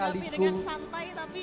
gak gamping dengan santai tapi